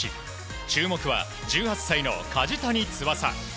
注目は１８歳の梶谷翼。